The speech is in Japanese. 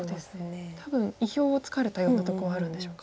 多分意表をつかれたようなとこはあるんでしょうか。